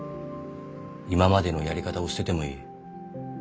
今までのやり方を捨ててもいい。